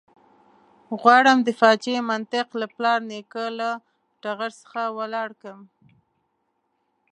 غواړم د فاجعې منطق له پلار نیکه له ټغر څخه ولاړ کړم.